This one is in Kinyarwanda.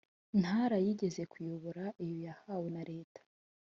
ntara yigeze kuyobora iyo yahawe na leta